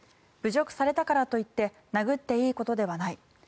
侮辱されたからといって殴っていいことではない。